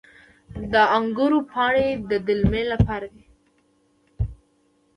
د انګورو پاڼې د دلمې لپاره دي.